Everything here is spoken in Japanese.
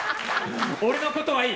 俺のことはいい。